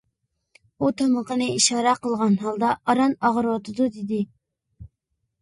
ئۇ تامىقىنى ئىشارە قىلغان ھالدا ئاران «ئاغرىۋاتىدۇ» دېدى.